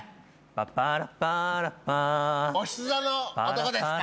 「パパラパラパ」いて座の男ですか？